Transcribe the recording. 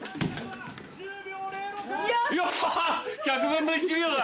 １００分の１秒だ！